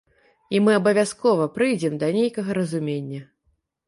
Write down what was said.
І мы абавязкова прыйдзем да нейкага разумення.